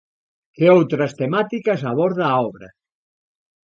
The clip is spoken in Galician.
Que outras temáticas aborda a obra?